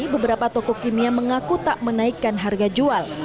beberapa toko kimia mengaku tak menaikkan harga jual